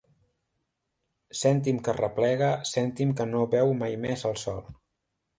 Cèntim que arreplega, cèntim que no veu mai més el sol.